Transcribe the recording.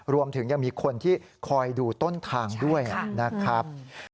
รวมถึงยังมีคนที่คอยดูต้นทางด้วยนะครับ